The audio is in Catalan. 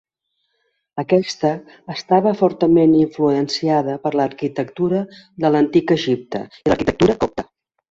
Aquesta estava fortament influenciada per l'arquitectura de l'antic Egipte i l'arquitectura copta.